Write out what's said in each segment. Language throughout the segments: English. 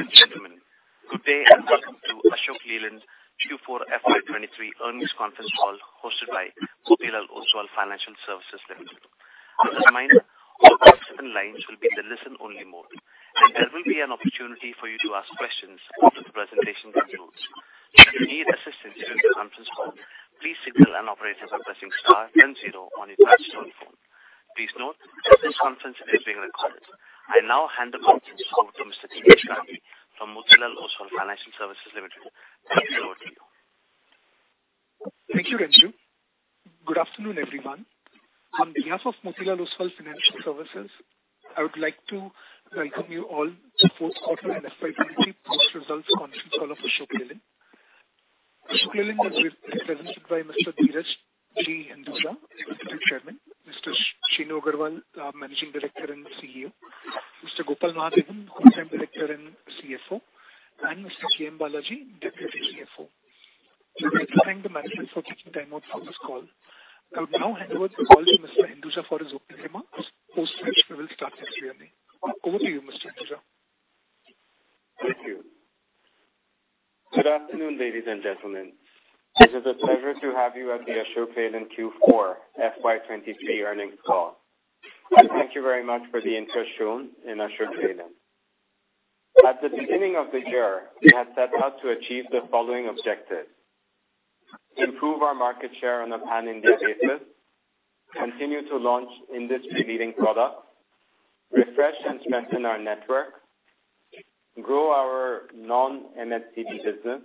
Ladies and gentlemen, good day and welcome to Ashok Leyland Q4 FY23 earnings conference call hosted by Motilal Oswal Financial Services Limited. As a reminder, all participant lines will be in the listen-only mode, and there will be an opportunity for you to ask questions after the presentation concludes. If you need assistance during the conference call, please signal an operator by pressing star then 0 on your touch-tone phone. Please note this conference is being recorded. I now hand the conference over to Mr. Dheeraj Gandhi from Motilal Oswal Financial Services Limited. Over to you. Thank you, Renju. Good afternoon, everyone. On behalf of Motilal Oswal Financial Services, I would like to welcome you all to fourth quarter and FY 23 post results conference call of Ashok Leyland. Ashok Leyland is re-represented by Mr. Dheeraj G. Hinduja, Executive Chairman, Mr. Shenu Agarwal, Managing Director and CEO, Mr. Gopal Mahadevan, Whole-Time Director and CFO, and Mr. GM Balaji, Deputy CFO. We would like to thank the management for taking time out for this call. I will now hand over the call to Mr. Hinduja for his opening remarks. Post which we will start with Q&A. Over to you, Mr. Hinduja. Thank you. Good afternoon, ladies and gentlemen. It is a pleasure to have you at the Ashok Leyland Q4 FY 2023 earnings call. Thank you very much for the interest shown in Ashok Leyland. At the beginning of the year, we had set out to achieve the following objectives: Improve our market share on a pan-India basis, continue to launch industry-leading products, refresh and strengthen our network, grow our non-MSDB business,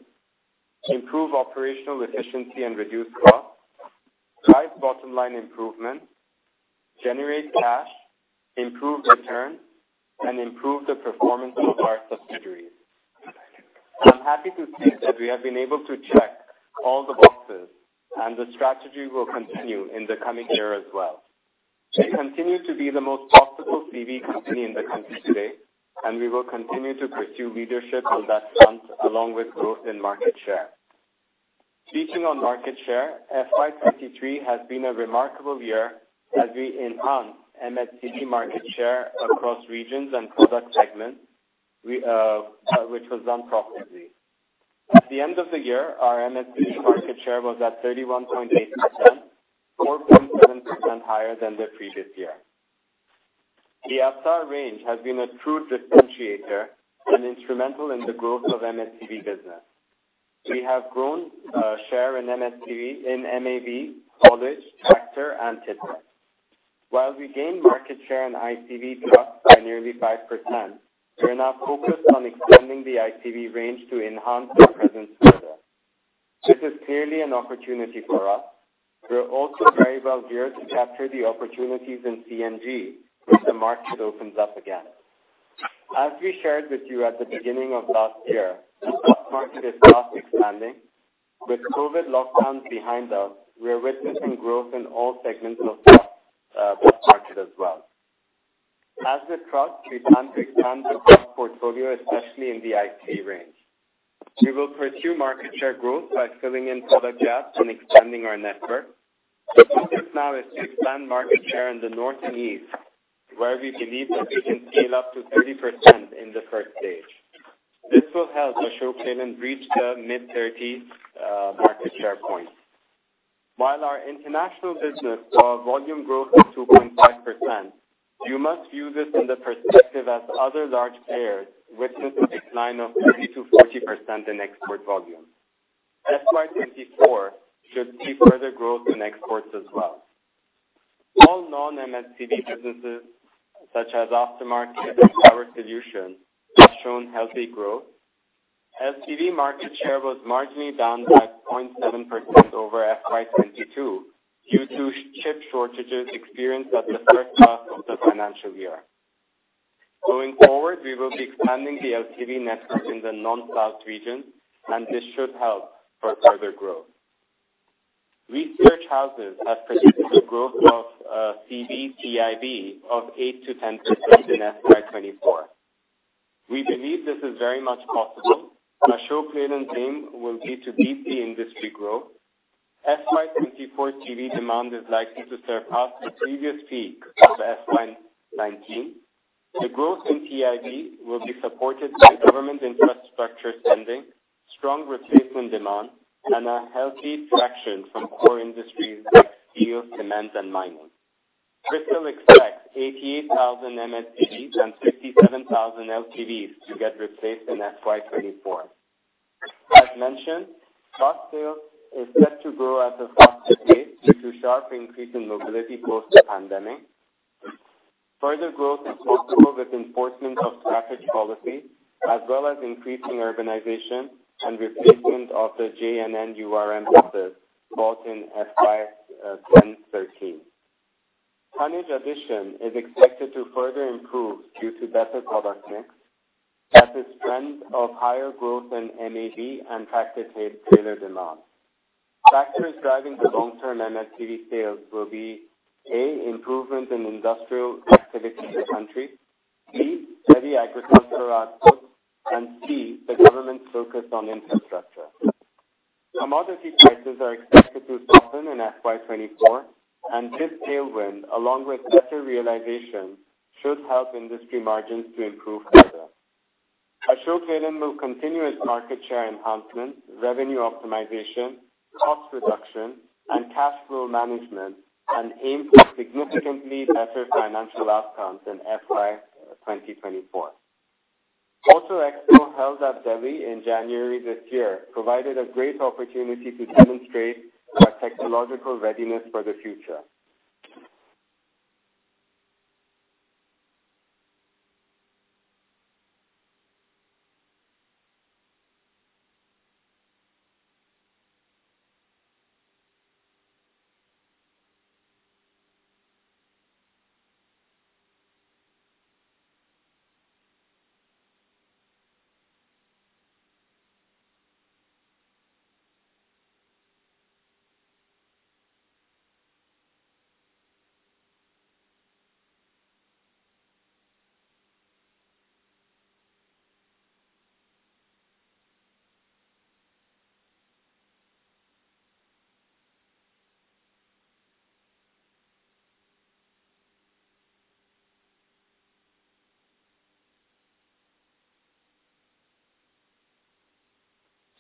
improve operational efficiency and reduce costs, drive bottom line improvements, generate cash, improve returns, and improve the performance of our subsidiaries. I'm happy to see that we have been able to check all the boxes. The strategy will continue in the coming year as well. We continue to be the most profitable CV company in the country today. We will continue to pursue leadership on that front, along with growth in market share. Speaking on market share, FY 2023 has been a remarkable year as we enhanced MSDB market share across regions and product segments, we, which was done profitably. At the end of the year, our MSDB market share was at 31.8%, 4.7% higher than the previous year. The AVTR range has been a true differentiator and instrumental in the growth of MSDB business. We have grown share in MSDB in MAV, college, tractor, and tipper. While we gained market share in ICV Plus by nearly 5%, we are now focused on extending the ICV range to enhance our presence further. This is clearly an opportunity for us. We are also very well geared to capture the opportunities in CNG if the market opens up again. As we shared with you at the beginning of last year, the bus market is fast expanding. With COVID lockdowns behind us, we are witnessing growth in all segments of the bus market as well. As with trucks, we plan to expand the bus portfolio, especially in the IC range. We will pursue market share growth by filling in product gaps and expanding our network. The focus now is to expand market share in the north and east, where we believe that we can scale up to 30% in the first stage. This will help Ashok Leyland reach the mid-thirties market share point. While our international business saw volume growth of 2.5%, you must view this in the perspective as other large players witnessed a decline of 30%-40% in export volume. FY 2024 should see further growth in exports as well. All non-MSDB businesses, such as Aftermarket and Power Solutions, have shown healthy growth. LCV market share was marginally down by 0.7% over FY 2022 due to ship shortages experienced at the first half of the financial year. Going forward, we will be expanding the LCV network in the non-cloud region, and this should help for further growth. Research houses have predicted a growth of CV PIB of 8%-10% in FY 2024. We believe this is very much possible. Ashok Leyland's aim will be to beat the industry growth. FY 2024 CV demand is likely to surpass the previous peak of FY 2019. The growth in PIB will be supported by government infrastructure spending, strong replacement demand, and a healthy traction from core industries like steel, cement, and mining. CRISIL expects 88,000 MSDBs and 57,000 LTVs to get replaced in FY 2024. As mentioned, bus sales is set to grow at a faster pace due to sharp increase in mobility post the pandemic. Further growth is possible with enforcement of traffic policy as well as increasing urbanization and replacement of the JNNURM buses bought in FY 2010-2013. Tonnage addition is expected to further improve due to better product mix as the strength of higher growth in MAV and tractor trailer demand. Factors driving the long-term MSDB sales will be, A, improvement in industrial activity in the country, B, heavy agricultural output, and C, the government's focus on infrastructure. Commodity prices are expected to soften in FY 2024 and this tailwind, along with better realization, should help industry margins to improve further. Ashok Leyland will continue its market share enhancement, revenue optimization, cost reduction, and cash flow management and aim for significantly better financial outcomes in FY 2024. Auto Expo, held at Delhi in January this year, provided a great opportunity to demonstrate our technological readiness for the future.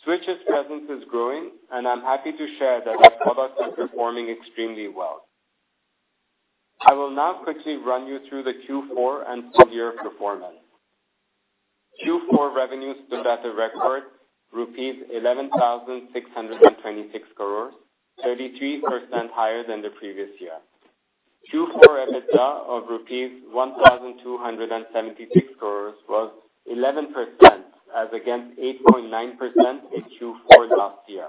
Switch's presence is growing, and I'm happy to share that our products are performing extremely well. I will now quickly run you through the Q4 and full year performance. Q4 revenue stood at a record rupees 11,626 crores, 33% higher than the previous year. Q4 EBITDA of rupees 1,276 crores was 11% as against 8.9% in Q4 last year.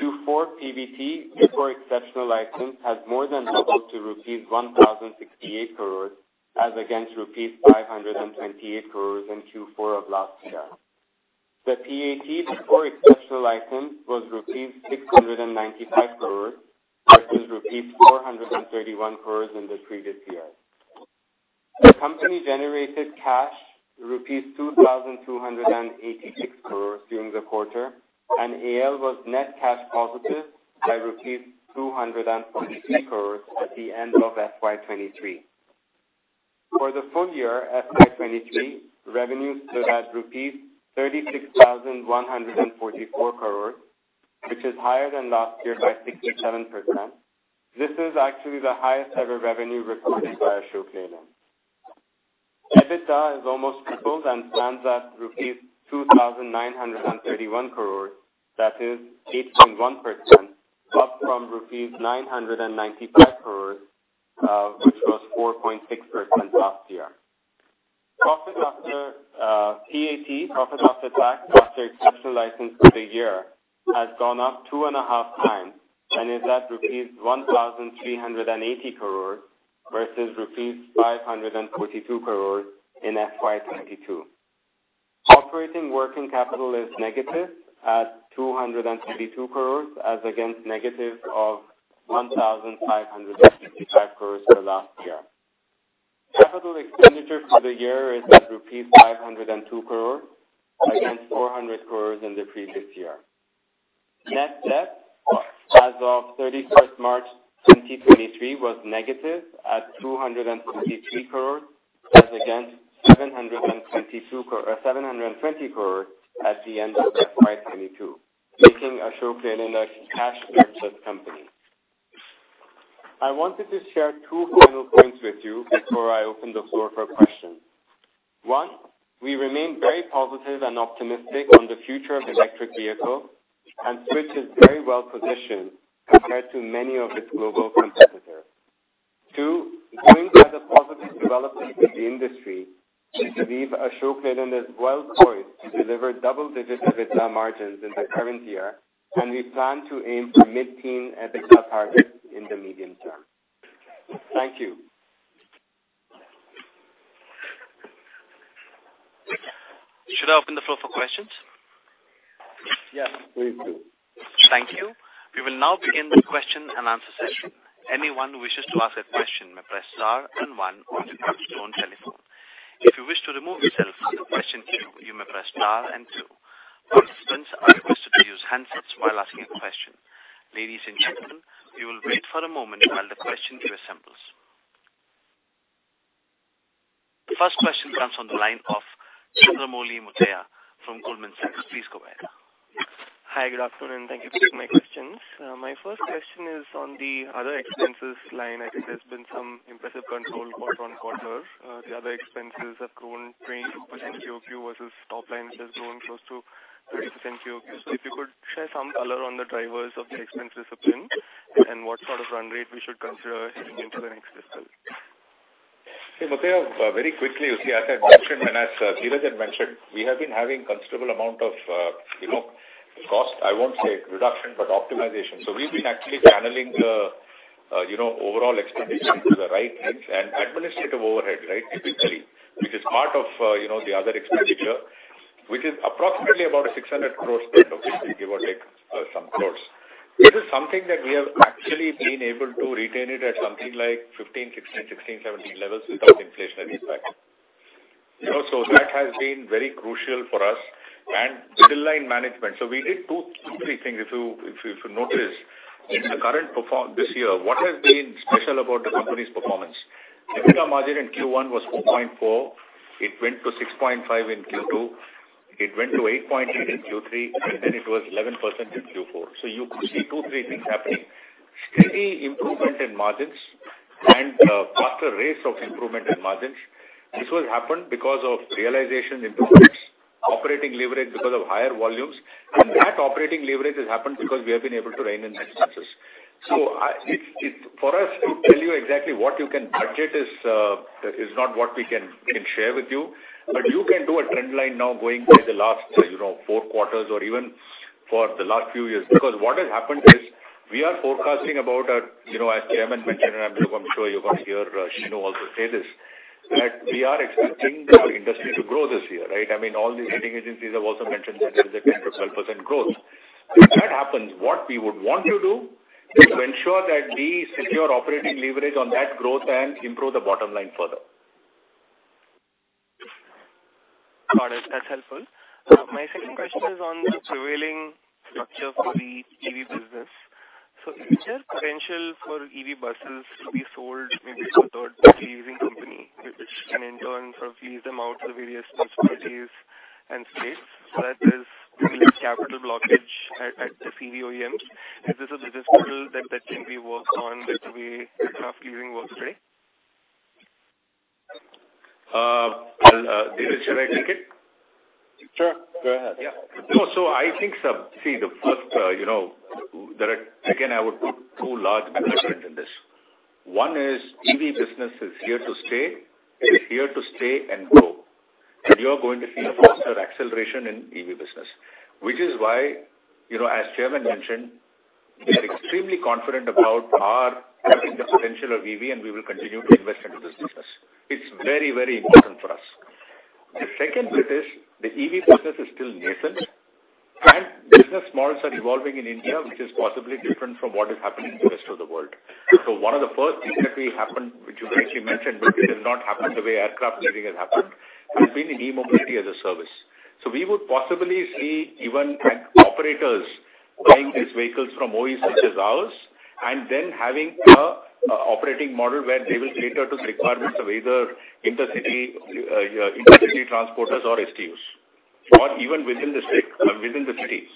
Q4 PBT before exceptional items has more than doubled to rupees 1,068 crores as against rupees 528 crores in Q4 of last year. The PAT before exceptional items was rupees 695 crores versus rupees 431 crores in the previous year. The company generated cash rupees 2,286 crores during the quarter. AL was net cash positive by 243 crores at the end of FY23. For the full year FY23, revenues stood at rupees 36,144 crores, which is higher than last year by 67%. This is actually the highest ever revenue recorded by Ashok Leyland. EBITDA is almost tripled and stands at rupees 2,931 crores, that is 8.1%, up from rupees 995 crores, which was 4.6% last year. Profit after PAT, profit after tax, after exceptional items for the year has gone up 2.5 times and is at rupees 1,380 crores versus rupees 542 crores in FY 2022. Operating working capital is negative at 222 crores as against negative of 1,565 crores for last year. Capital expenditure for the year is at rupees 502 crores against 400 crores in the previous year. Net debt as of March 31, 2023, was negative at 223 crores as against 720 crores at the end of FY 2022, making Ashok Leyland a cash generative company. I wanted to share two final points with you before I open the floor for questions. One, we remain very positive and optimistic on the future of electric vehicle, and Switch is very well positioned compared to many of its global competitors. Two, going by the positive developments in the industry, we believe Ashok Leyland is well poised to deliver double-digit EBITDA margins in the current year, and we plan to aim for mid-teen EBITDA targets in the medium term. Thank you. Should I open the floor for questions? Yes, please do. Thank you. We will now begin the question and answer session. Anyone who wishes to ask a question may press star and one on your telephone. If you wish to remove yourself from the question queue, you may press star and two. Participants are requested to use handsets while asking a question. Ladies and gentlemen, we will wait for a moment while the question queue assembles. The first question comes on the line of Chandramouli Muthiah from Goldman Sachs. Please go ahead. Hi, good afternoon. Thank you for taking my questions. My first question is on the other expenses line. I think there's been some impressive control quarter-on-quarter. The other expenses have grown 20% QOQ versus top line, which has grown close to 30% QOQ. If you could share some color on the drivers of the expense discipline and what sort of run rate we should consider heading into the next fiscal. Hey, Muthiah, very quickly, you see, as I mentioned and as Dheeraj had mentioned, we have been having considerable amount of, you know, cost, I won't say reduction, but optimization. We've been actually channeling the, you know, overall expenditure to the right things and administrative overhead, right, typically, which is part of, you know, the other expenditure, which is approximately about a 600 crores spend, okay, give or take, some crores. This is something that we have actually been able to retain it at something like 15, 16, 17 levels without inflationary impact. You know, that has been very crucial for us and the bill line management. We did two, three things. If you notice in the current this year, what has been special about the company's performance? EBITDA margin in Q1 was 4.4%. It went to 6.5% in Q2. It went to 8.8% in Q3, it was 11% in Q4. You could see two, three things happening. Steady improvement in margins and faster rates of improvement in margins. This was happened because of realization improvements, operating leverage because of higher volumes. That operating leverage has happened because we have been able to rein in expenses. For us to tell you exactly what you can budget is not what we can share with you. You can do a trend line now going by the last, you know, four quarters or even for the last few years. Because what has happened is we are forecasting about a, you know, as Chairman mentioned, and I'm sure you're gonna hear Shenu also say this, that we are expecting the industry to grow this year, right? I mean, all the rating agencies have also mentioned that there's a 10%-12% growth. If that happens, what we would want to do is to ensure that we secure operating leverage on that growth and improve the bottom line further. Got it. That's helpful. My second question is on the prevailing structure for the EV business. Is there potential for EV buses to be sold maybe through a leasing company, which can in turn sort of lease them out to the various municipalities and states so that there's relief capital blockage at the CV OEMs? Is this a business model that can be worked on the way aircraft leasing works today? Dheeraj, should I take it? Sure, go ahead. Yeah. I think see the first, you know, again, I would put two large beliefs in this. One is EV business is here to stay. It's here to stay and grow. You're going to see a faster acceleration in EV business, which is why, you know, as Chairman mentioned, we are extremely confident about our, I think, the potential of EV, and we will continue to invest into this business. It's very, very important for us. The second bit is the EV business is still nascent, and business models are evolving in India, which is possibly different from what is happening in the rest of the world. One of the first things that we happened, which you correctly mentioned, but it will not happen the way aircraft leasing has happened, will be in e-mobility as a service. We would possibly see even operators buying these vehicles from OEs such as ours and then having an operating model where they will cater to the requirements of either intercity transporters or STUs or even within the state or within the cities.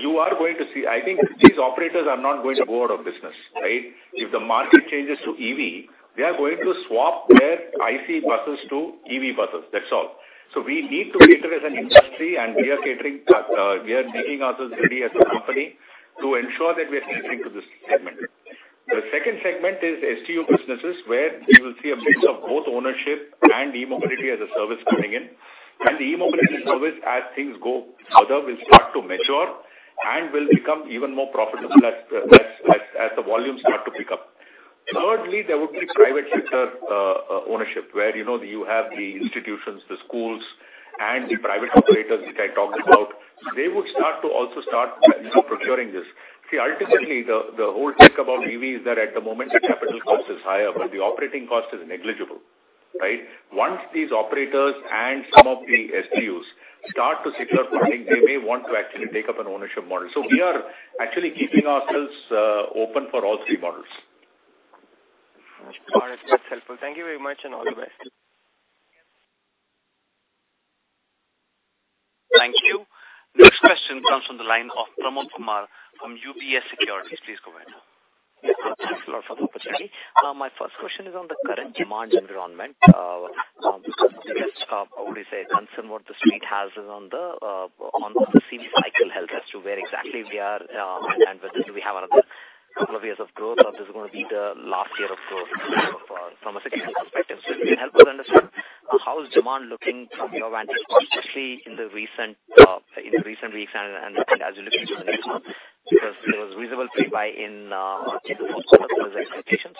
You are going to see. I think these operators are not going to go out of business, right? If the market changes to EV, they are going to swap their ICE buses to EV buses. That's all. We need to cater as an industry, and we are catering, we are making ourselves ready as a company to ensure that we are catering to this segment. The second segment is STU businesses, where you will see a mix of both ownership and e-mobility as a service coming in. The e-mobility service, as things go further, will start to mature and will become even more profitable as the volumes start to pick up. Thirdly, there would be private sector ownership, where, you know, you have the institutions, the schools, and the private operators which I talked about. They would start to also, you know, procuring this. Ultimately, the whole talk about EV is that at the moment the capital cost is higher, but the operating cost is negligible, right? Once these operators and some of the STUs start to secure funding, they may want to actually take up an ownership model. We are actually keeping ourselves open for all three models. Got it. That's helpful. Thank you very much, and all the best. Thank you. Next question comes from the line of Pramod Kumar from UBS Securities. Please go ahead. Yes, sir. Thanks a lot for the opportunity. My first question is on the current demand environment. The biggest, how would you say concern what the Street has is on the CV cycle health as to where exactly we are, and whether do we have another couple of years of growth or this is gonna be the last year of growth from a cyclical perspective. If you can help us understand how is demand looking from your vantage point, especially in the recent weeks and as we look into the next month? Because there was reasonable pre-buy in the first quarter versus expectations.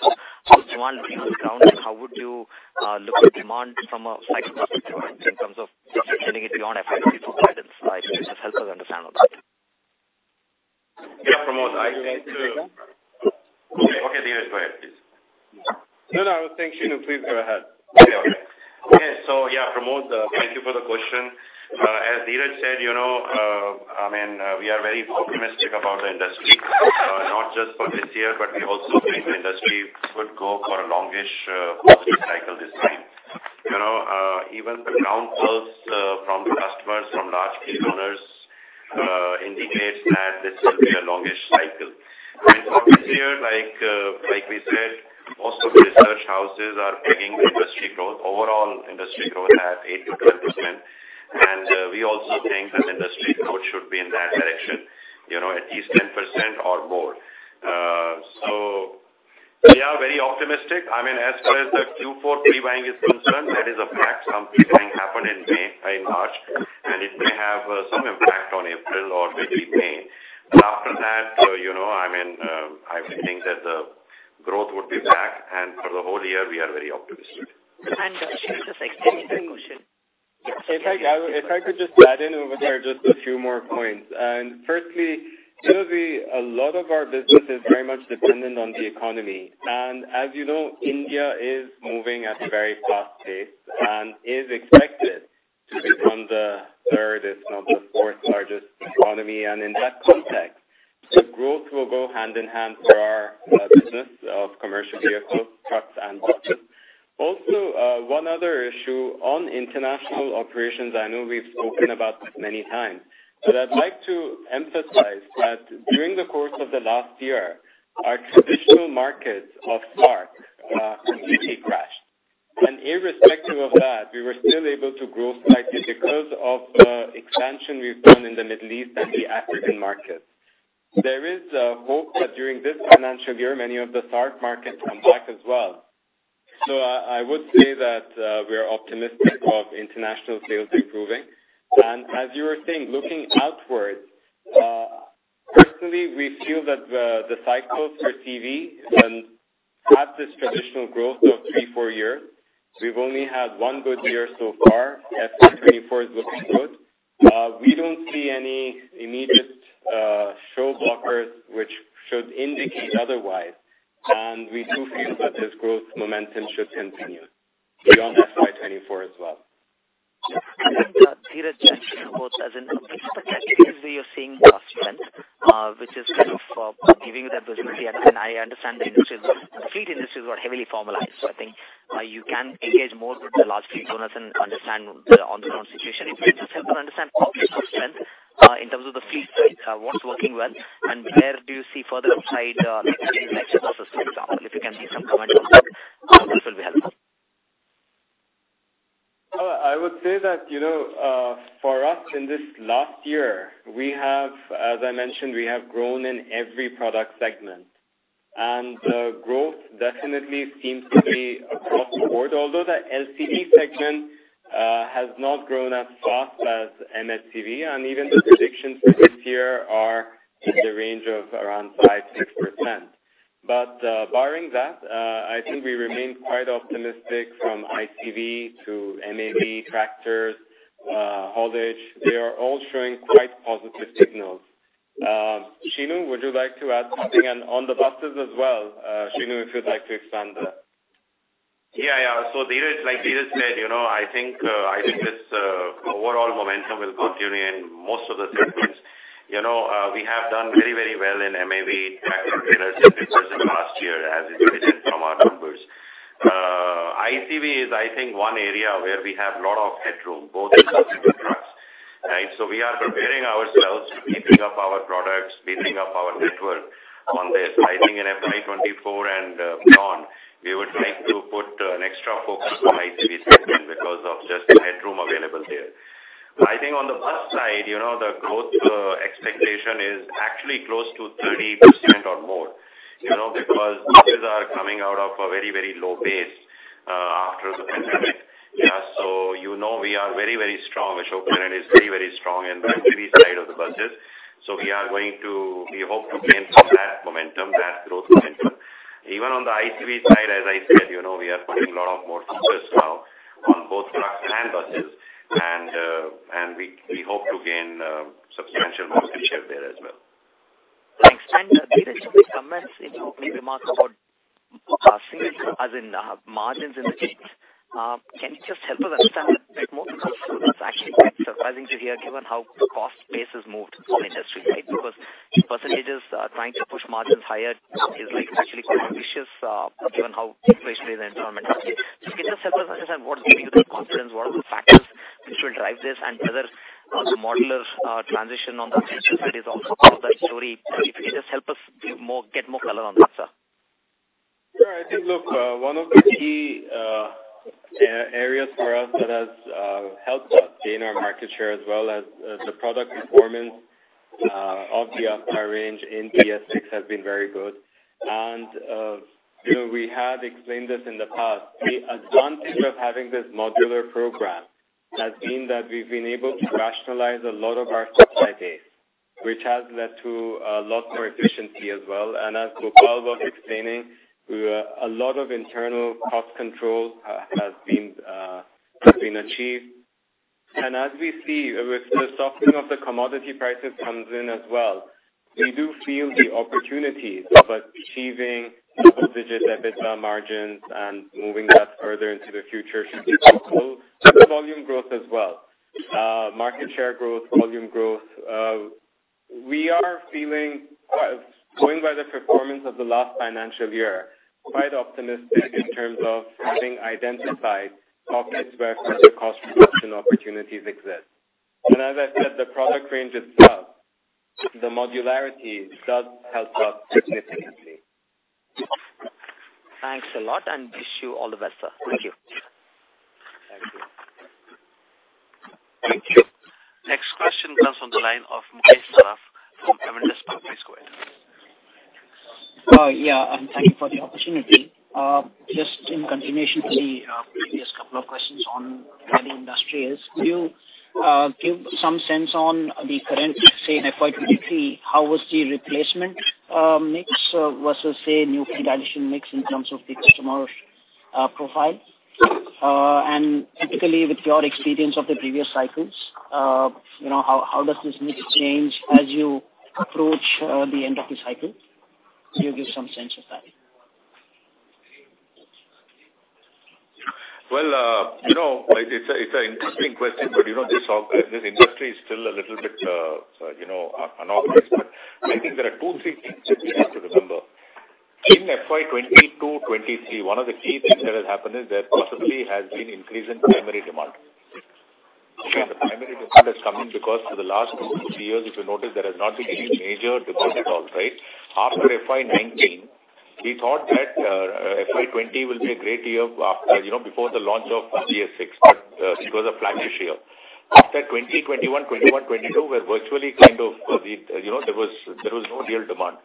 Demand being on the ground, how would you look at demand from a cycle perspective in terms of getting it beyond FY24 guidance? If you could just help us understand on that. Yeah, Pramod, I think. Okay, Dheeraj, go ahead, please. No, no. Thanks, Shenu. Please go ahead. Okay, okay. Okay. Pramod, thank you for the question. As Dheeraj said, you know, I mean, we are very optimistic about the industry, not just for this year, but we also think the industry could go for a longish upswing cycle this time. You know, even the councils from customers, from large fleet owners, indicates that this will be a longish cycle. For this year, like we said, most of the research houses are pegging the industry growth, overall industry growth at 8%-12%. We also think that industry growth should be in that direction, you know, at least 10% or more. We are very optimistic. I mean, as far as the Q4 pre-buying is concerned, that is a fact. Some pre-buying happened in May, by and large, and it may have, some impact on April or maybe May. After that, you know, I mean, I think that the growth would be back. For the whole year, we are very optimistic. Shenu, just a quick follow-up question. If I could just add in over there just a few more points. Firstly, you know, a lot of our business is very much dependent on the economy. As you know, India is moving at a very fast pace and is expected to become the third, if not the fourth largest economy. In that context, the growth will go hand in hand for our business of commercial vehicles, trucks, and buses. Also, one other issue on international operations, I know we've spoken about this many times, but I'd like to emphasize that during the course of the last year, our traditional markets of SAARC completely crashed. Irrespective of that, we were still able to grow slightly because of expansion we've done in the Middle East and the African markets. There is hope that during this financial year, many of the SAARC markets come back as well. I would say that we are optimistic of international sales improving. As you were saying, looking outwards, personally, we feel that the cycles for CV can have this traditional growth of three four years. We've only had one good year so far. FY 2024 is looking good. We don't see any immediate show blockers which should indicate otherwise, and we do feel that this growth momentum should continue beyond FY 2024 as well. Dheeraj, just, you know, what does which specific areas where you're seeing more strength, which is kind of, giving you that visibility? I understand the industry, the fleet industries are heavily formalized. I think, you can engage more with the large fleet owners and understand the on the ground situation. If you could just help us understand pockets of strength, in terms of the fleet side, what's working well, and where do you see further upside, potentially next year or so, for example. If you can give some comment on that, this will be helpful. Well, I would say that, you know, for us in this last year, we have, as I mentioned, we have grown in every product segment. The growth definitely seems to be across the board, although the LCV segment has not grown as fast as LCV. Even the predictions for this year are in the range of around 5%-6%. Barring that, I think we remain quite optimistic from ICV to MAV tractors, haulage. They are all showing quite positive signals. Shenu, would you like to add something and on the buses as well, Shenu, if you'd like to expand that? Yeah. Dheeraj, like Dheeraj said, you know, I think this overall momentum will continue in most of the segments. You know, we have done very, very well in MAV tractor business in the past year, as you can see from our numbers. ICV is, I think, one area where we have lot of headroom, both in terms of the trucks, right? We are preparing ourselves, beefing up our products, beefing up our network on this. I think in FY 2024 and beyond, we would like to put an extra focus on ICV segment because of just the headroom available there. I think on the bus side, you know, the growth expectation is actually close to 30% or more, you know, because buses are coming out of a very, very low base after the pandemic. Yeah. you know, we are very, very strong. Ashok Leyland is very, very strong in the MCV side of the buses. We hope to gain from that momentum, that growth momentum. Even on the ICV side, as I said, you know, we are putting a lot of more focus now on both trucks and buses and we hope to gain substantial market share there as well. Thanks. Dheeraj, you made comments in your opening remarks about seeing as in margins in the fleet. Can you just help us understand a bit more because it's actually quite surprising to hear given how the cost base has moved for industry, right? Percentages, trying to push margins higher is like actually quite ambitious, given how inflationary the environment is. Just, can you just help us understand what's giving you the confidence? What are the factors which will drive this and whether the modular transition on the LCV side is also part of that story? If you could just help us get more color on that, sir. Sure. I think, look, one of the key areas for us that has helped us gain our market share as well as the product performance of the Aspire range in BS6 has been very good. You know, we have explained this in the past. The advantage of having this modular program has been that we've been able to rationalize a lot of our supply base, which has led to a lot more efficiency as well. As Gopal was explaining, we a lot of internal cost control has been achieved. As we see with the softening of the commodity prices comes in as well, we do feel the opportunities of achieving double-digit EBITDA margins and moving that further into the future should be possible. The volume growth as well. Market share growth, volume growth. We are feeling, going by the performance of the last financial year, quite optimistic in terms of having identified pockets where further cost reduction opportunities exist. As I said, the product range itself, the modularity does help us significantly. Thanks a lot and wish you all the best, sir. Thank you. Thank you. Thank you. Next question comes on the line of Mahesh Sarraf from Edelweiss Financial Services. Yeah, thank you for the opportunity. Just in continuation to the previous couple of questions on heavy industrials. Give some sense on the current, say in FY 2023, how was the replacement mix versus say new fleet addition mix in terms of the customer profile? Typically with your experience of the previous cycles, you know, how does this mix change as you approach the end of the cycle? Can you give some sense of that? Well, you know, it's an interesting question, but, you know, this industry is still a little bit, you know, anomalous. I think there are two, three things that we have to remember. In FY 2022/2023, one of the key things that has happened is there possibly has been increase in primary demand. Okay. The primary demand has come in because for the last two, three years, if you notice, there has not been any major demand at all, right? After FY 2019, we thought that FY 2020 will be a great year after, you know, before the launch of BS6, but it was a flat year. After 2020/2021/2022, were virtually You know, there was no real demand.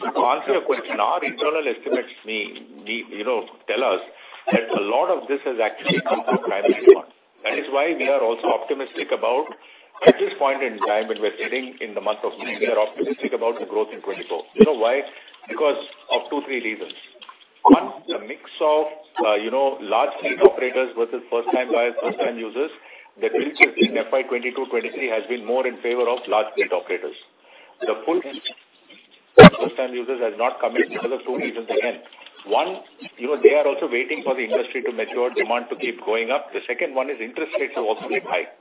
To answer your question, our internal estimates may be, you know, tell us that a lot of this has actually come from primary demand. That is why we are also optimistic about at this point in time, when we are sitting in the month of May, we are optimistic about the growth in 2024. You know why? Because of two, three reasons. One, the mix of, you know, large fleet operators versus first time buyers, first time users, the mix in FY 2022/2023 has been more in favor of large fleet operators. The full first time users has not come in because of two reasons again. One, you know, they are also waiting for the industry to mature, demand to keep going up. The second one is interest rates have also been high,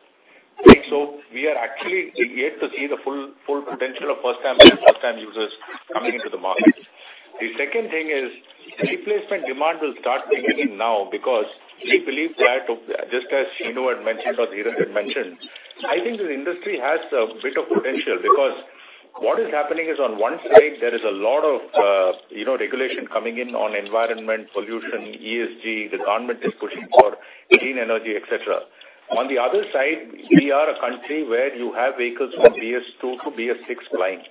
right? We are actually yet to see the full potential of first time and first time users coming into the market. The second thing is replacement demand will start kicking in now because we believe that just as Shinu had mentioned or Dheeraj had mentioned, I think this industry has a bit of potential because what is happening is on one side there is a lot of, you know, regulation coming in on environment pollution, ESG, the government is pushing for clean energy, et cetera. On the other side, we are a country where you have vehicles from BS2 to BS6 plying.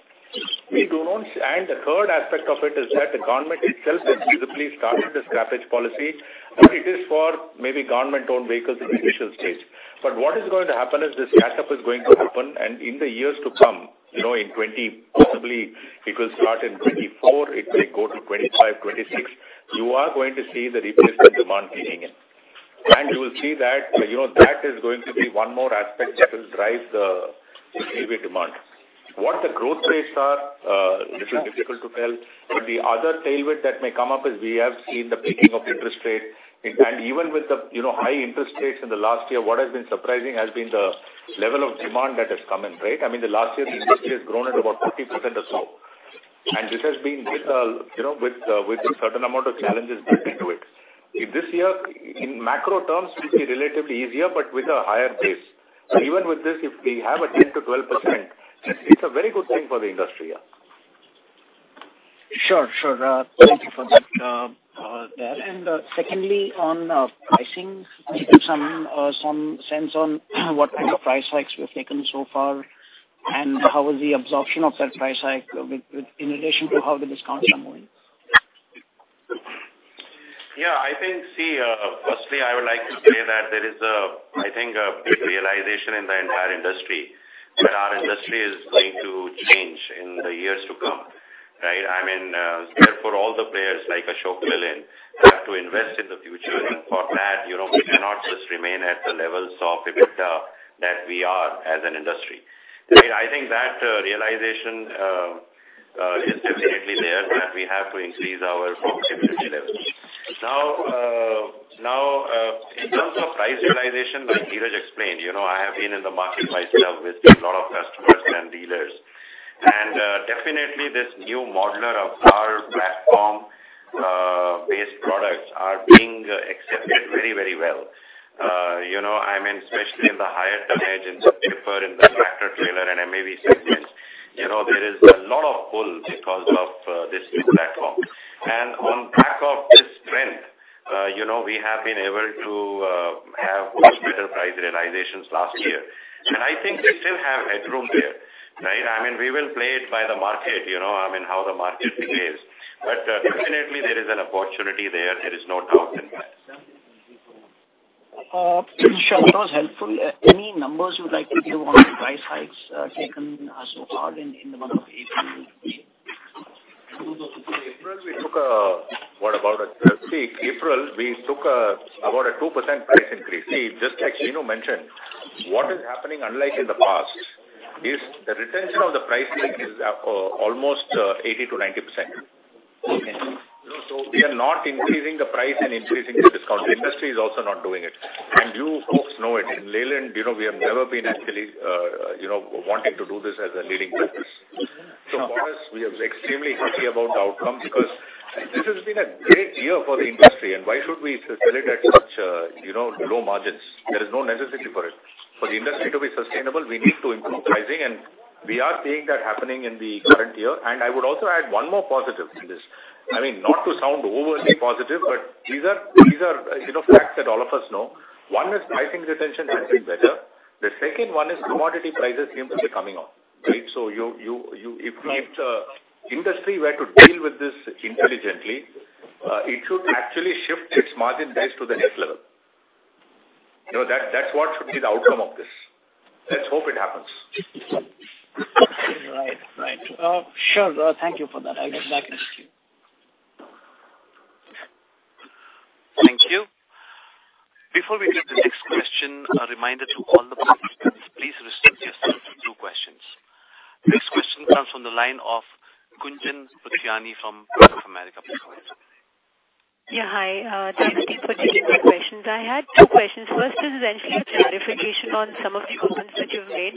The third aspect of it is that the government itself has visibly started the scrappage policy, but it is for maybe government-owned vehicles in the initial stage. What is going to happen is this catch-up is going to happen and in the years to come, you know, in 20, possibly it will start in 2024, it may go to 2025, 2026, you are going to see the replacement demand kicking in. You will see that, you know, that is going to be one more aspect that will drive the 2BW demand. What the growth rates are, little difficult to tell, but the other tailwind that may come up is we have seen the peaking of interest rates. Even with the, you know, high interest rates in the last year, what has been surprising has been the level of demand that has come in, right? I mean, the last year the industry has grown at about 40% or so. This has been with, you know, with a certain amount of challenges built into it. This year in macro terms will be relatively easier, but with a higher base. Even with this, if we have a 10%-12%, it's a very good thing for the industry. Yeah. Sure, sure. Thank you for that there. Secondly, on pricing, can you give some sense on what kind of price hikes you have taken so far, and how is the absorption of that price hike in relation to how the discounts are moving? Yeah, I think, see, firstly, I would like to say that there is a, I think a big realization in the entire industry that our industry is going to change in the years to come, right? I mean, therefore, all the players like Ashok Leyland have to invest in the future. For that, you know, we cannot just remain at the levels of EBITDA that we are as an industry. I think that realization is definitely there that we have to increase our profitability levels. Now, in terms of price realization, like Dheeraj explained, you know, I have been in the market myself, visiting a lot of customers and dealers, and definitely this new modular of our platform-based products are being accepted very, very well. You know, I mean, especially in the higher tonnage in particular in the tractor-trailer and MAV segments. You know, there is a lot of pull because of this new platform. On back of this trend, you know, we have been able to have much better price realizations last year. I think we still have headroom there, right? I mean, we will play it by the market, you know, I mean, how the market behaves. Definitely there is an opportunity there. There is no doubt in that. Sure. That was helpful. Any numbers you'd like to give on the price hikes, taken, so far in the month of April? In April we took about a 2% price increase. Just like Shenu mentioned, what is happening unlike in the past is the retention of the price hike is almost 80%-90%. We are not increasing the price and increasing the discount. The industry is also not doing it. You folks know it. In Leyland, you know, we have never been actually, you know, wanting to do this as a leading practice. For us, we are extremely happy about the outcome because this has been a great year for the industry and why should we sell it at such, you know, low margins? There is no necessity for it. For the industry to be sustainable, we need to improve pricing, we are seeing that happening in the current year. I would also add one more positive in this. I mean, not to sound overly positive, but these are, you know, facts that all of us know. One is pricing retention has been better. The second one is commodity prices seem to be coming off, right? If the industry were to deal with this intelligently, it should actually shift its margin base to the next level. You know, that's what should be the outcome of this. Let's hope it happens. Right. Right. Sure. Thank you for that. I'll get back to you. Thank you. Before we take the next question, a reminder to all the participants, please restrict yourself to two questions. Next question comes from the line of Gunjan Patidar from Bank of America. Yeah, hi, thank you for taking my two questions. First is essentially a clarification on some of the comments that you've made.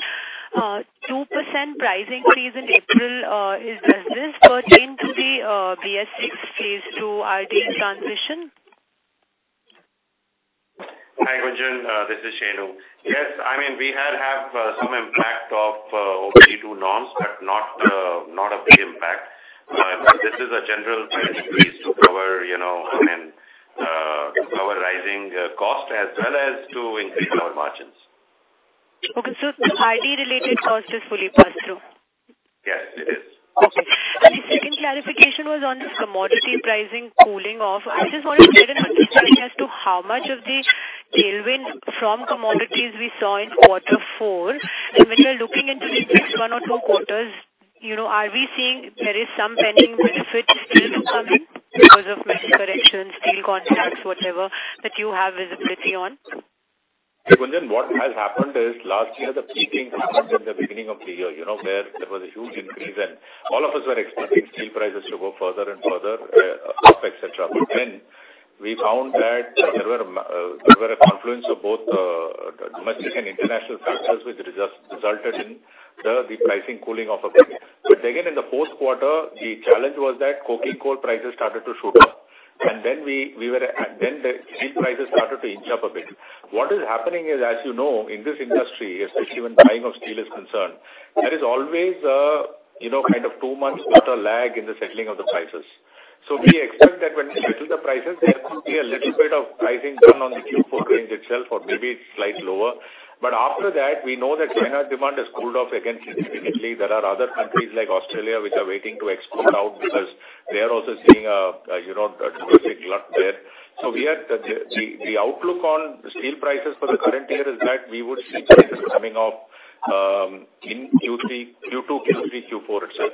2% pricing freeze in April, does this pertain to the BS6 Phase 2 ID transmission? Hi, Gunjan. This is Shenu. Yes. I mean, we had have some impact of OBD-2 norms, but not a big impact. This is a general price increase to cover, you know, I mean, to cover rising cost as well as to increase our margins. Okay. The OBD related cost is fully passed through? Yes, it is. Okay. The second clarification was on this commodity pricing cooling off. I just wanted to get an understanding as to how much of the tailwind from commodities we saw in quarter four. When we're looking into the next one or two quarters, you know, are we seeing there is some pending benefit still coming because of metal corrections, steel contracts, whatever that you have visibility on? Hey, Gunjan, what has happened is last year the peaking happened at the beginning of the year, you know, where there was a huge increase and all of us were expecting steel prices to go further and further, up, et cetera. We found that there were a confluence of both domestic and international factors which resulted in the pricing cooling off a bit. In the fourth quarter, the challenge was that coking coal prices started to shoot up. The steel prices started to inch up a bit. What is happening is, as you know, in this industry, especially when buying of steel is concerned, there is always a, you know, kind of two months order lag in the settling of the prices. We expect that when we settle the prices, there could be a little bit of pricing done on the Q4 range itself or maybe slightly lower. After that we know that China demand has cooled off again significantly. There are other countries like Australia which are waiting to export out because they are also seeing a, you know, a domestic glut there. We are the outlook on steel prices for the current year is that we would see prices coming off in Q3, Q2, Q3, Q4 itself.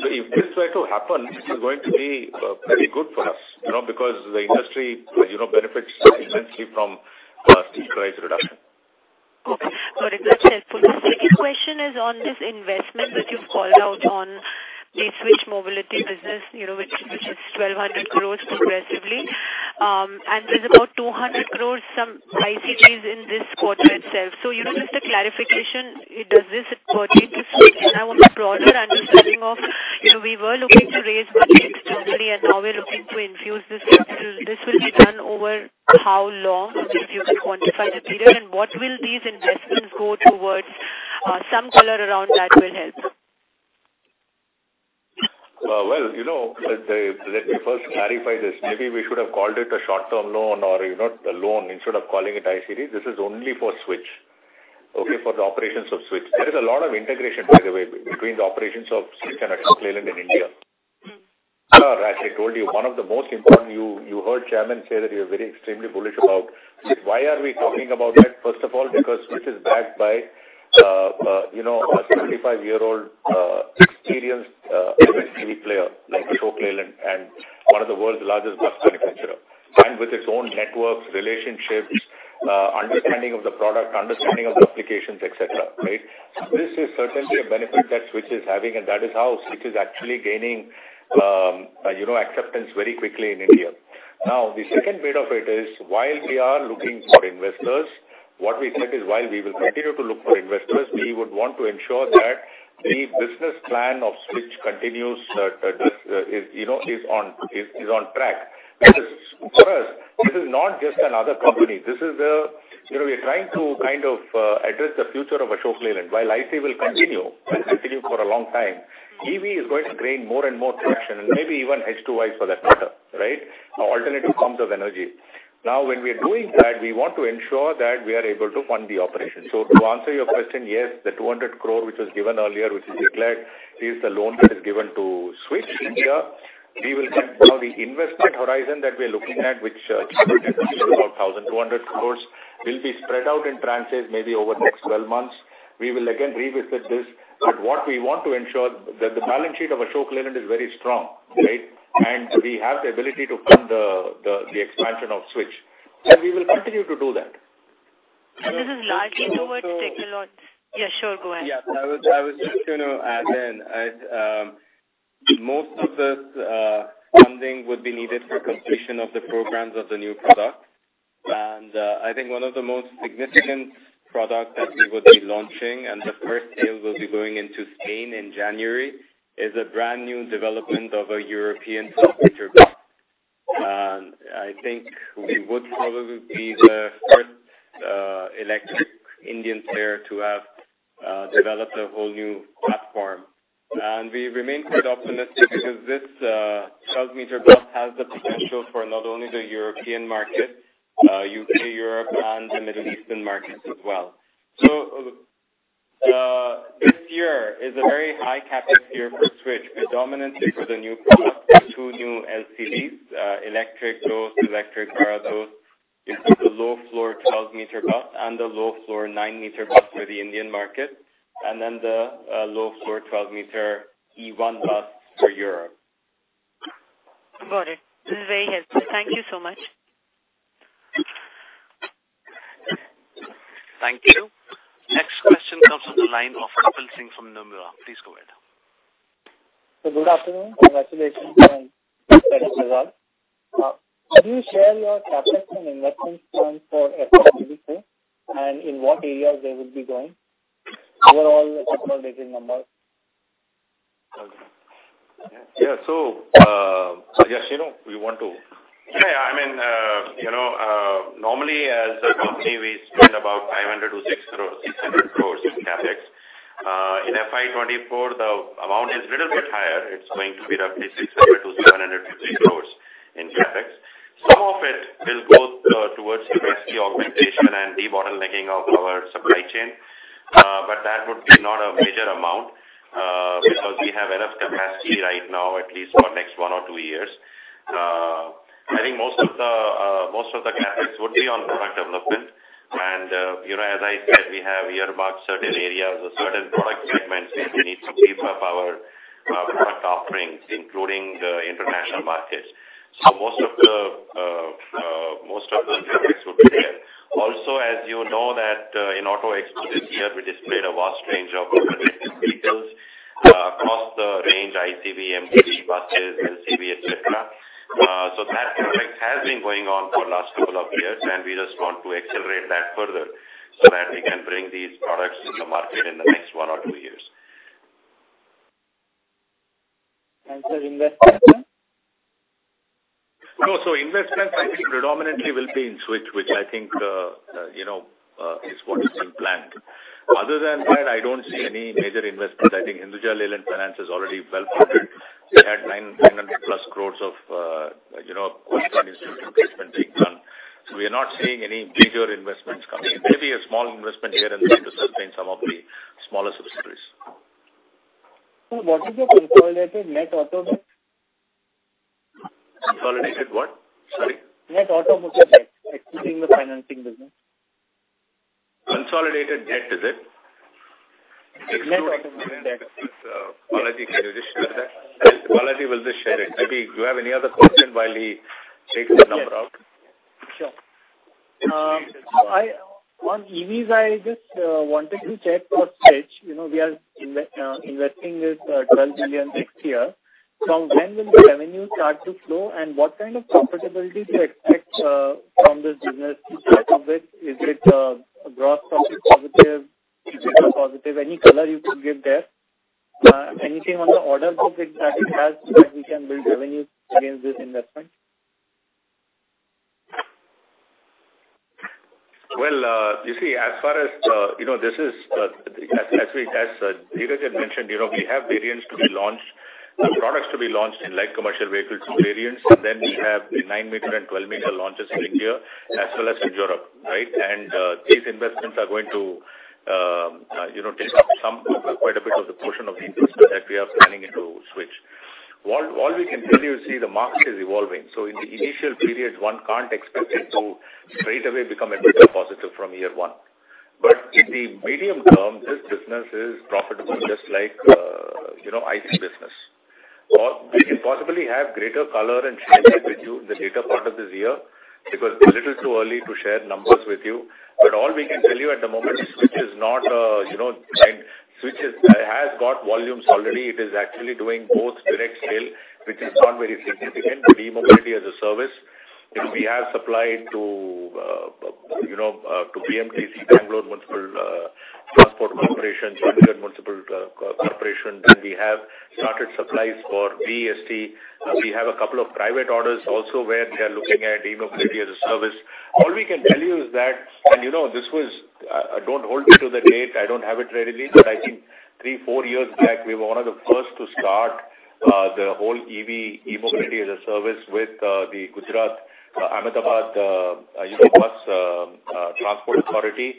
If this were to happen, this is going to be very good for us, you know, because the industry, you know, benefits immensely from steel price reduction. Okay. Got it. That's helpful. The second question is on this investment that you've called out on the Switch Mobility business, you know, which is 1,200 crores progressively, and there's about 200 crores some ICAs in this quarter itself. just a clarification, does this pertain to Switch? I want a broader understanding of, you know, we were looking to raise money externally and now we're looking to infuse this. This will be done over how long? If you can quantify that period. What will these investments go towards? some color around that will help. Well, you know, let me first clarify this. Maybe we should have called it a short-term loan or, you know, a loan instead of calling it ICA. This is only for Switch. Okay? For the operations of Switch. There is a lot of integration, by the way, between the operations of Switch and Ashok Leyland in India. As I told you, one of the most important, you heard Chairman say that you are very extremely bullish about Switch. Why are we talking about that? First of all, because Switch is backed by, you know, a 75-year-old experienced EV3 player like Ashok Leyland and one of the world's largest bus manufacturer. With its own networks, relationships, understanding of the product, understanding of the applications, et cetera, right? This is certainly a benefit that Switch is having, that is how Switch is actually gaining, you know, acceptance very quickly in India. The second bit of it is, while we are looking for investors, what we said is, while we will continue to look for investors, we would want to ensure that the business plan of Switch continues, is on track. For us, this is not just another company. You know, we are trying to kind of address the future of Ashok Leyland. While ICA will continue and continue for a long time, EV is going to gain more and more traction and maybe even H2 ICE for that matter, right? Alternative forms of energy. When we're doing that, we want to ensure that we are able to fund the operation. To answer your question, yes, the 200 crore which was given earlier, which is declared, is the loan that is given to Switch India. The investment horizon that we are looking at, which currently is about 1,200 crore, will be spread out in tranches maybe over the next 12 months. We will again revisit this. What we want to ensure that the balance sheet of Ashok Leyland is very strong, right? We have the ability to fund the expansion of Switch, and we will continue to do that. This is largely towards tech alone. Yeah, sure. Go ahead. I was just gonna add in, most of this funding would be needed for completion of the programs of the new product. I think one of the most significant product that we would be launching, and the first sale will be going into Spain in January, is a brand new development of a European 12-meter bus. I think we would probably be the first electric Indian player to have developed a whole new platform. We remain quite optimistic because this 12-m bus has the potential for not only the European market, UK, Europe and the Middle Eastern markets as well. This year is a very high CapEx year for Switch, predominantly for the new product, the two new LCVs, electric Dost, electric Bada Dost. It's the low floor 12-m bus and the low floor 9-m bus for the Indian market, and then the low floor 12-m E1 bus for Europe. Got it. This is very helpful. Thank you so much. Thank you. Next question comes from the line of Kapil Singh from Nomura. Please go ahead. Good afternoon. Congratulations on result. Could you share your CapEx and investment plan for FY 2024, and in what areas they will be going? Overall consolidated numbers. Yeah. I mean, you know, normally as a company we spend about 500 to INR 6 crore, 600 crore in CapEx. In FY 2024, the amount is little bit higher. It's going to be roughly 600 crore-750 crore in CapEx. Some of it will go towards capacity augmentation and debottlenecking of our supply chain. That would be not a major amount, because we have enough capacity right now, at least for next one or two years. I think most of the CapEx would be on product development. You know, as I said, we have hear about certain areas or certain product segments where we need to beef up our product offerings, including international markets. Most of the CapEx would be there. Also, as you know that, in Auto Expo this year, we displayed a vast range of electric vehicles across the range ICV, MCV, buses, LCV, et cetera. That CapEx has been going on for last couple of years, and we just want to accelerate that further so that we can bring these products to the market in the next one or two years. Sir, investments? No. Investments I think predominantly will be in Switch, which I think, you know, is what is in planned. Other than that, I don't see any major investments. I think Hinduja Leyland Finance is already well funded. They had 900 plus crores of, you know, of capital investment being done. We are not seeing any bigger investments coming in. Maybe a small investment here and there to sustain some of the smaller subsidiaries. What is your consolidated net auto debt? Consolidated what? Sorry. Net automotive debt, excluding the financing business. Consolidated debt, is it? Net automotive debt. Excluding the finance business. Kolady, can you just share that? Kolady will just share it. Do you have any other question while he takes the number out? Sure. On EVs, I just wanted to check for Switch. You know, we are investing this 12 billion next year. From when will the revenue start to flow, and what kind of profitability do you expect from this business? Is it a gross profit positive, EBITDA positive? Any color you could give there. Anything on the order book that it has so that we can build revenue against this investment? Well, you see, as far as, you know, this is, as we, as Dheeraj had mentioned, you know, we have variants to be launched, products to be launched in light commercial vehicles variants. We have the nine-meter and 12-m launches in India as well as in Europe, right? These investments are going to, you know, take up some, quite a bit of the portion of the investment that we are planning into Switch. What we can tell you, see, the market is evolving. In the initial periods, one can't expect it to straightaway become EBITDA positive from year one. In the medium term, this business is profitable, just like, you know, ICE business. We can possibly have greater color and share it with you in the later part of this year, because it's a little too early to share numbers with you. But all we can tell you at the moment is Switch is has got volumes already. It is actually doing both direct sale, which is not very significant, but e-mobility as a service. You know, we have supplied to, you know, to BMTC, Bengaluru Metropolitan Transport Corporation, Chennai Municipal Corporation, and we have started supplies for BEST. We have a couple of private orders also where they are looking at e-mobility as a service. All we can tell you is that... You know, this was, don't hold me to the date, I don't have it readily, but I think three, four years back, we were one of the first to start the whole EV, e-mobility as a service with the Gujarat, Ahmedabad, you know, bus transport authority,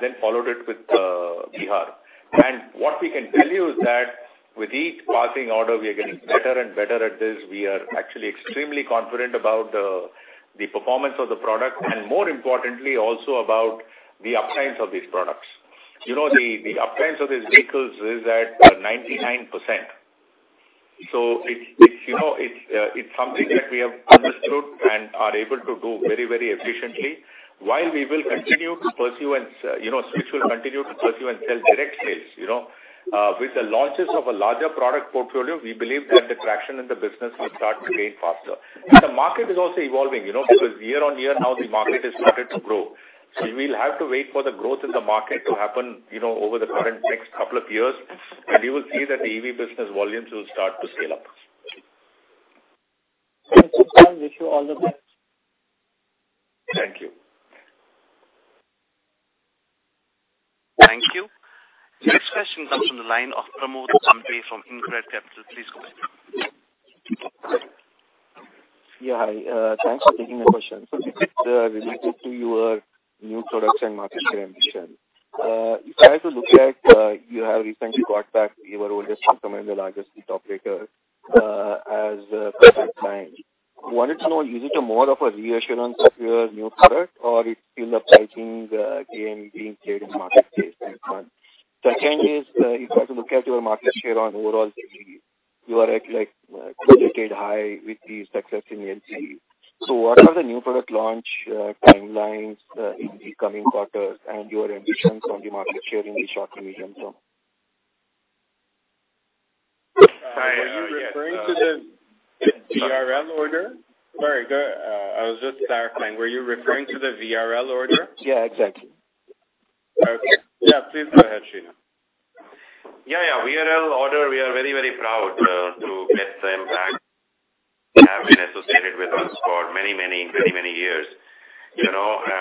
then followed it with Bihar. What we can tell you is that with each passing order, we are getting better and better at this. We are actually extremely confident about the performance of the product, and more importantly, also about the uptime of these products. You know, the uptime of these vehicles is at 99%. It's, it's, you know, it's something that we have understood and are able to do very, very efficiently. While we will continue to pursue and, you know, Switch will continue to pursue and sell direct sales, you know, with the launches of a larger product portfolio, we believe that the traction in the business will start to gain faster. The market is also evolving, you know, because year-over-year now the market has started to grow. We'll have to wait for the growth in the market to happen, you know, over the current next couple of years, and you will see that the EV business volumes will start to scale up. Thank you, sir. Wish you all the best. Thank you. Thank you. Next question comes from the line of Pramod Sampath from UBS Securities. Please go ahead. Yeah. Hi, thanks for taking the question. It's related to your new products and market share ambition. If I have to look at, you have recently got back your oldest customer and the largest, the top taker, as per that time. Wanted to know, is it a more of a reassurance of your new product or it's still the pricing game being played in the marketplace at the moment? Second is, if I have to look at your market share on overall CV, you are at, like, two-decade high with the success in LCV. What are the new product launch timelines in the coming quarters and your ambitions on the market share in the short, medium term? Are you referring to the VRL order? Sorry, I was just clarifying. Were you referring to the VRL order? Yeah, exactly. Okay. Yeah, please go ahead, Shenu. Yeah, yeah. VRL order, we are very, very proud to get them back. They have been associated with us for many, many, very many years. You know, I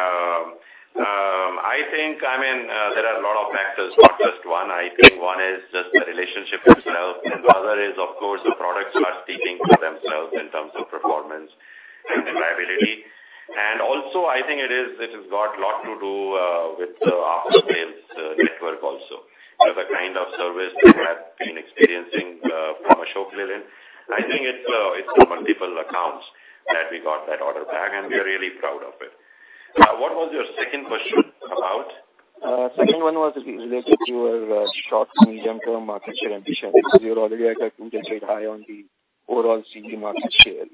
mean, I think there are a lot of factors, not just one. I think one is just the relationship itself, and the other is, of course, the products are speaking for themselves in terms of performance and reliability. Also, I think it is, it has got a lot to do with the after-sales network also. The kind of service that we have been experiencing from Ashok Leyland, I think it's the multiple accounts that we got that order back, and we are really proud of it. What was your second question about? Second one was related to your short, medium-term market share ambition. You're already at a two-decade high on the overall CV market share,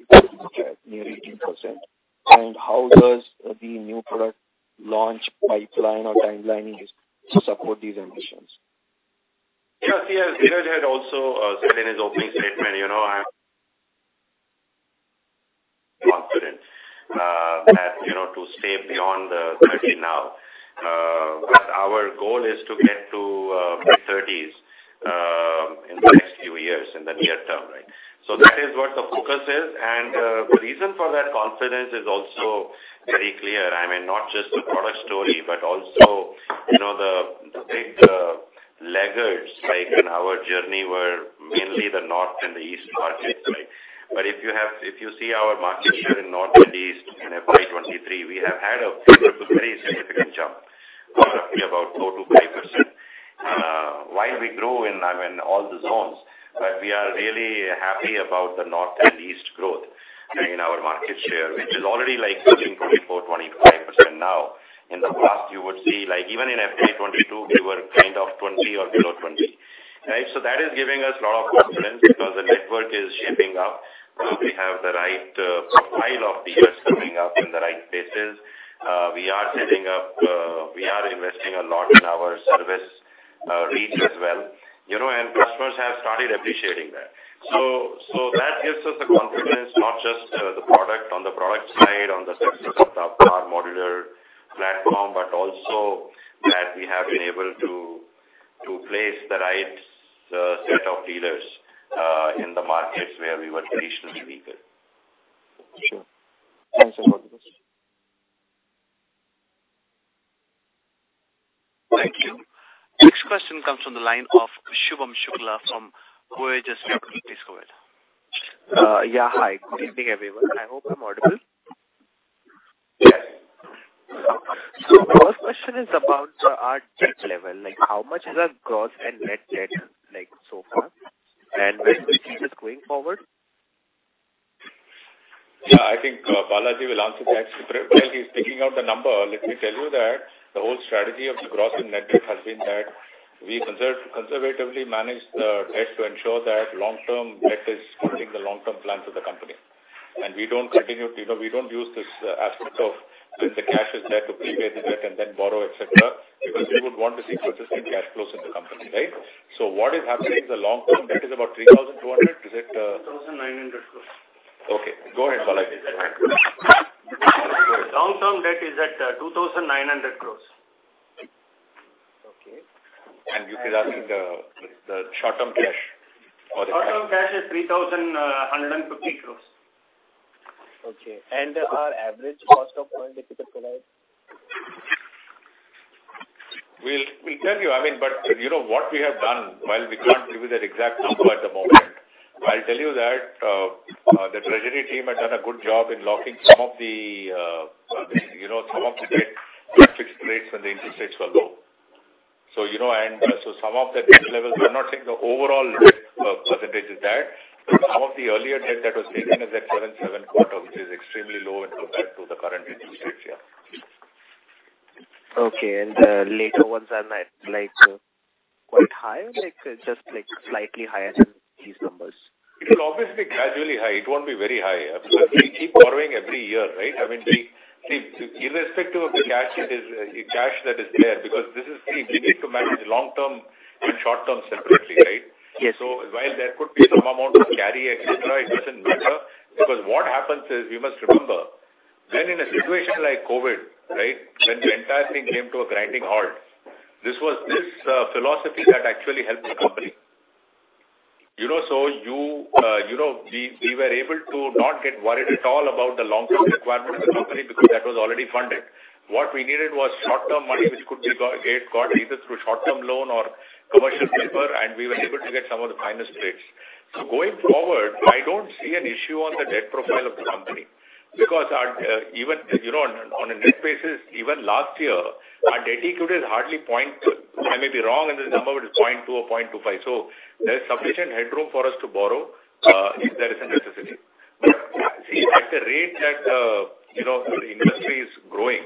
That gives us the confidence, not just the product on the product side, on the success of the i-modular platform, but also that we have been able to place the right set of dealers in the markets where we were traditionally weaker. Sure. Thanks a lot. Thank you. Next question comes from the line of Shubham Shukla from JM Financial. Please go ahead. Hi. Good evening, everyone. I hope I'm audible. Yes. First question is about our debt level. How much is our gross and net debt, so far? What will be the case going forward? Yeah. I think Balaji will answer that. While he's picking out the number, let me tell you that the whole strategy of the gross and net debt has been that we conservatively manage the debt to ensure that long-term debt is funding the long-term plans of the company. We don't continue, you know, we don't use this aspect of the cash is there to prepay the debt and then borrow, et cetera, because we would want to see consistent cash flows in the company, right? What is happening, the long-term debt is about 3,200. Is it? Two thousand nine hundred crores. Okay. Go ahead, Balaji. Go ahead. Long-term debt is at 2,900 crores. Okay. You can ask him the short-term cash or the. Short-term cash is 3,150 crores. Okay. Our average cost of fund, if you could provide? We'll tell you. I mean, you know what we have done, while we can't give you that exact number at the moment, I'll tell you that the treasury team has done a good job in locking some of the, you know, some of the debt at fixed rates when the interest rates were low. You know, some of the debt levels, I'm not saying the overall debt percentage is that, but some of the earlier debt that was taken is at 7.75%, which is extremely low when compared to the current interest rates. Yeah. Okay. The later ones are like, quite high or like, just like slightly higher than these numbers? It will obviously gradually high. It won't be very high. Absolutely. We keep borrowing every year, right? I mean, See, irrespective of the cash it is, cash that is there, because this is, see, we need to manage long-term and short-term separately, right? Yes. While there could be some amount of carry, et cetera, it doesn't matter. Because what happens is, you must remember when in a situation like COVID, right, when the entire thing came to a grinding halt, this was this philosophy that actually helped the company. You know, so you know, we were able to not get worried at all about the long-term requirement of the company because that was already funded. What we needed was short-term money which could be got, it got either through short-term loan or commercial paper, and we were able to get some of the finest rates. Going forward, I don't see an issue on the debt profile of the company because our, even, you know, on a net basis, even last year, our debt equity is hardly. I may be wrong in this number, but it's 0.2 or 0.25. There is sufficient headroom for us to borrow, if there is a necessity. See, at the rate that, you know, industry is growing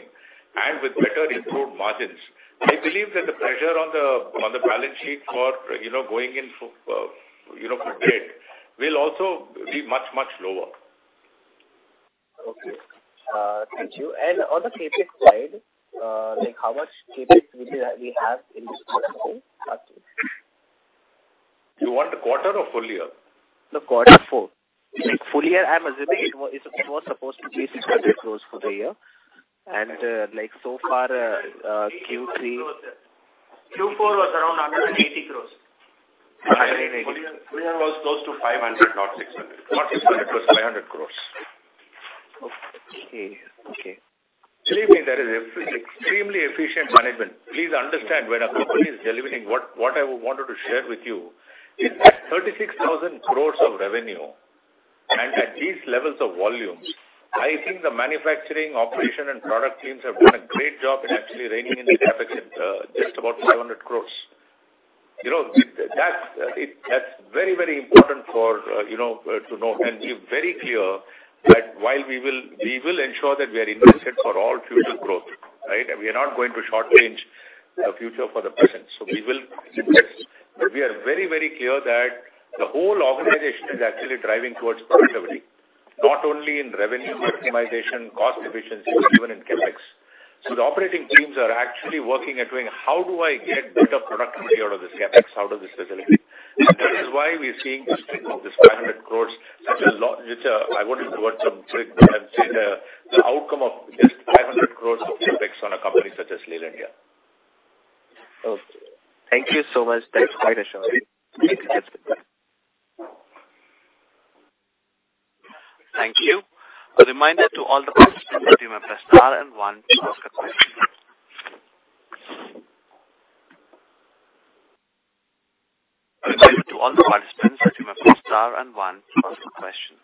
and with better improved margins, I believe that the pressure on the, on the balance sheet for, you know, going in for, you know, for debt will also be much, much lower. Okay, thank you. On the CapEx side, like how much CapEx will we have in this quarter? You want the quarter or full year? The quarter four. Like full year, I'm assuming it was supposed to be INR 600 crores for the year. Like so far, Q3- Q4 was around INR 180 crores. 180. Full year, full year was close to INR 500, not INR 600. Not INR 600, it was INR 500 crores. Okay. Okay. Believe me, there is extremely efficient management. Please understand, when a company is delivering what I wanted to share with you is at 36,000 crores of revenue and at these levels of volume, I think the manufacturing, operation and product teams have done a great job in actually reining in the CapEx at just about 700 crores. You know, that's very, very important to know. We're very clear that while we will ensure that we are invested for all future growth, right? We are not going to shortchange the future for the present. We will invest. We are very, very clear that the whole organization is actually driving towards profitability, not only in revenue optimization, cost efficiency, but even in CapEx. The operating teams are actually working at doing how do I get better productivity out of this CapEx, out of this facility? That is why we are seeing this 500 crores such a lot, which, I won't use the word some trick, but I'm saying, the outcome of this 500 crores of CapEx on a company such as Leyland, yeah. Okay. Thank you so much. Thanks quite a show. Thank you. A reminder to all the participants that you may press star and one to ask a question.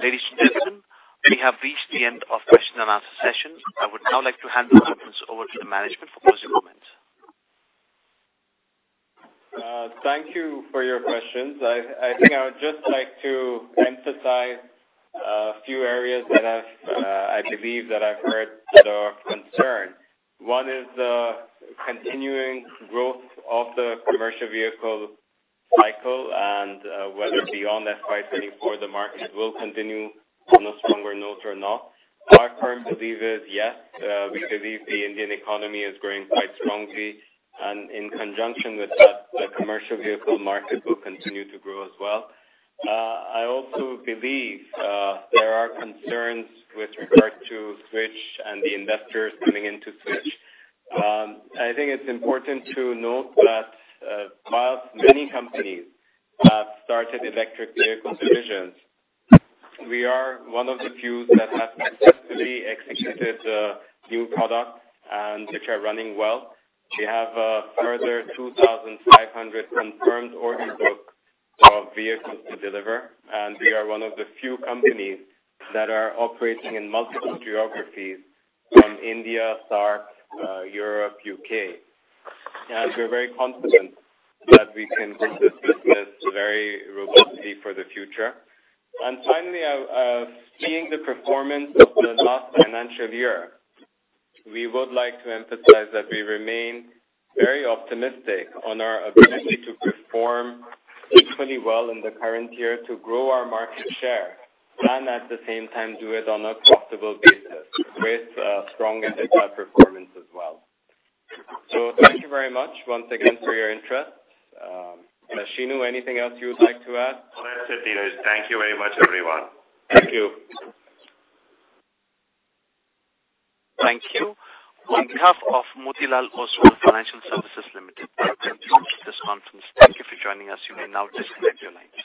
Ladies and gentlemen, we have reached the end of question and answer session. I would now like to hand the conference over to the management for closing comments. Thank you for your questions. I think I would just like to emphasize a few areas that I've, I believe that I've heard that are of concern. One is the continuing growth of the commercial vehicle cycle, whether beyond FY 2024 the market will continue on a stronger note or not. Our current belief is yes, we believe the Indian economy is growing quite strongly and in conjunction with that, the commercial vehicle market will continue to grow as well. I also believe, there are concerns with regard to Switch and the investors coming into Switch. I think it's important to note that, whilst many companies have started electric vehicle divisions, we are one of the few that have successfully executed new products and which are running well. We have further 2,500 confirmed or in book of vehicles to deliver, and we are one of the few companies that are operating in multiple geographies from India, SAARC, Europe, U.K. We're very confident that we can build this business very robustly for the future. Finally, seeing the performance of the last financial year, we would like to emphasize that we remain very optimistic on our ability to perform equally well in the current year to grow our market share, and at the same time do it on a profitable basis with a strong EBITDA performance as well. Thank you very much once again for your interest. Shenu, anything else you would like to add? Well, that's it, Dinesh. Thank you very much, everyone. Thank you. Thank you. On behalf of Motilal Oswal Financial Services Limited, thank you for this conference. Thank you for joining us. You may now disconnect your lines.